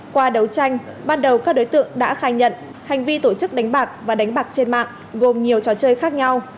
qua đấu tranh ban đầu các đối tượng đã khai nhận hành vi tổ chức đánh bạc và đánh bạc trên mạng gồm nhiều trò chơi khác nhau